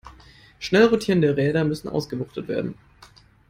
Schnell rotierende Räder müssen ausgewuchtet werden.